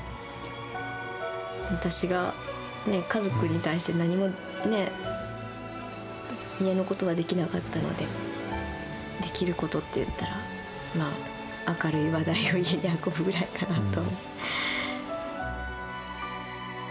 私が、家族に対して、何も家のことはできなかったので、できることといったら、まあ、明るい話題を家に運ぶぐらいかなと。